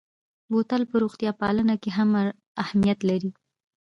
بوتل په روغتیا پالنه کې هم اهمیت لري.